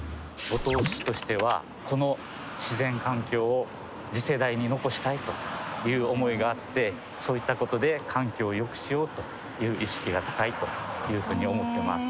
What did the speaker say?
五島市としてはこの自然環境を次世代に残したいという思いがあってそういったことで環境をよくしようという意識が高いというふうに思ってます。